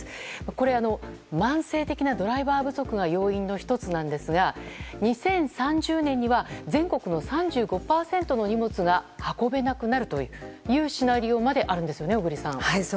これ、慢性的なドライバー不足が要因の１つなんですが２０３０年には全国の３５％の荷物が運べなくなるというシナリオまであるんですよね、小栗さん。